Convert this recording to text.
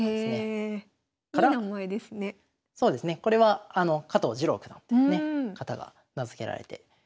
これは加藤治郎九段というね方が名付けられて。